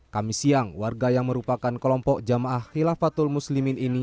kami siang warga yang merupakan kelompok jamaah khilafatul muslimin ini